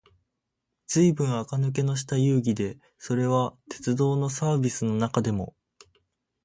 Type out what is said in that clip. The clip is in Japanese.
ずいぶん垢抜けのした遊戯で、それは鉄道のサーヴィスの中でも、